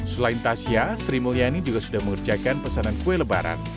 selain tasya sri mulyani juga sudah mengerjakan pesanan kue lebaran